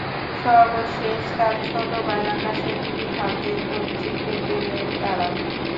সর্বশেষ তাঁর ছোট ভাই আকাশের দুই হাতের কবজি কেটে নেন তাঁরা।